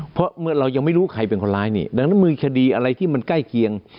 เพราะเมื่อเรายังไม่รู้ใครเป็นคนร้ายนี่ดังนั้นมีคดีอะไรที่มันใกล้เคียง